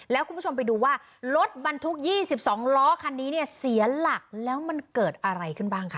แล้วคุณผู้ชมไปดูว่ารถบรรทุก๒๒ล้อคันนี้เนี่ยเสียหลักแล้วมันเกิดอะไรขึ้นบ้างคะ